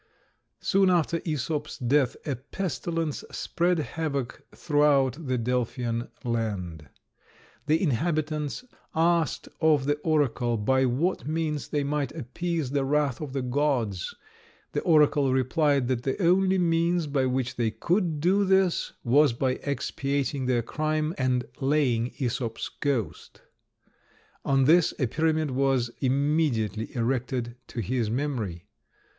Soon after Æsop's death a pestilence spread havoc throughout the Delphian land. The inhabitants asked of the oracle by what means they might appease the wrath of the gods; the oracle replied, that the only means by which they could do this was by expiating their crime and laying Æsop's ghost. On this a pyramid was immediately erected to his memory.